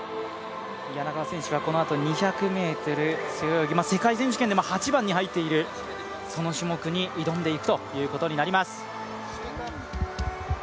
柳川選手はこのあと、２００ｍ背泳ぎ世界選手権でも８番に入っている種目に挑んでいくことになります。